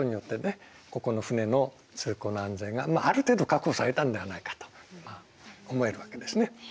ここの船の通行の安全がある程度確保されたんではないかと思えるわけですね。